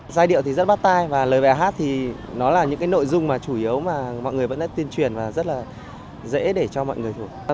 giai điệu thì rất bắt tay và lời bài hát thì nó là những cái nội dung mà chủ yếu mà mọi người vẫn đã tuyên truyền và rất là dễ để cho mọi người thuộc